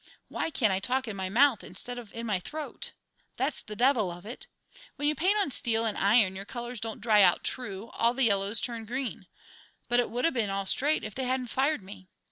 Why can't I talk in my mouth instead of in my throat? That's the devil of it. When you paint on steel and iron your colours don't dry out true; all the yellows turn green. But it would 'a' been all straight if they hadn't fired me!